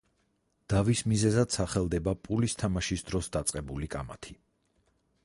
დავის მიზეზად სახელდებოდა პულის თამაშის გამო დაწყებული კამათი.